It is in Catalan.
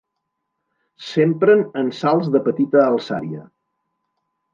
S'empren en salts de petita alçària.